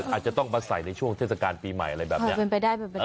อาจจะต้องมาใส่ในช่วงเทศกาลปีใหม่อะไรแบบนี้